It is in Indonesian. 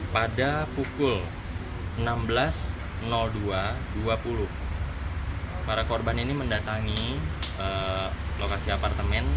pada pukul enam belas dua dua puluh para korban ini mendatangi lokasi apartemen